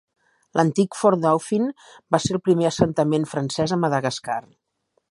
L'antic Fort-Dauphin, va ser el primer assentament francès a Madagascar.